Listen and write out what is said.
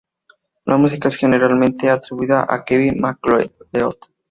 La música es generalmente atribuida a Kevin MacLeod.